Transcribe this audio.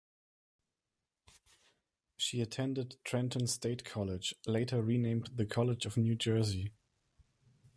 She attended Trenton State College (later renamed The College of New Jersey).